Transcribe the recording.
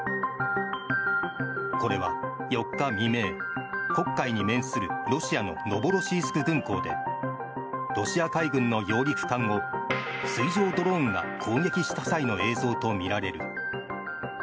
これは４日未明黒海に面するロシアのノボロシースク軍港でロシア海軍の揚陸艦を水上ドローンが攻撃した際の映像とみられる。